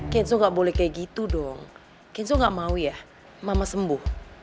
kenzo gak boleh kayak gitu dong kenzo gak mau ya mama sembuh